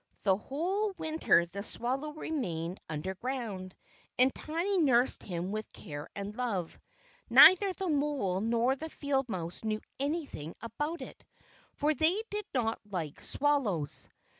The whole Winter the swallow remained underground, and Tiny nursed him with care and love. Neither the mole nor the field mouse knew anything about it, for they did not like swallows.